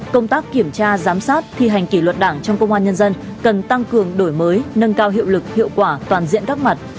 công tác kiểm tra giám sát thi hành kỷ luật đảng trong công an nhân dân cần tăng cường đổi mới nâng cao hiệu lực hiệu quả toàn diện các mặt